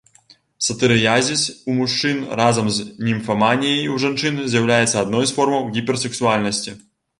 Сатырыязіс у мужчын разам з німфаманіяй у жанчын з'яўляецца адной з формаў гіперсексуальнасці.